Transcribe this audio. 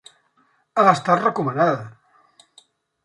Ha estat recomanada.